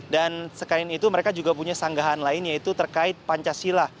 dan sekalian itu mereka juga punya sanggahan lain yaitu terkait pancasila